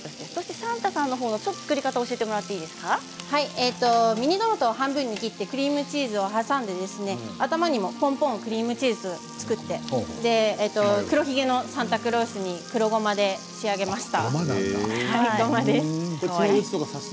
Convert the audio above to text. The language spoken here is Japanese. サンタさんの作り方をミニトマトを半分に切ってクリームチーズを挟んで頭にもぽんぽんのクリームチーズを作って黒ひげのサンタクロースに黒ごまで仕上げました。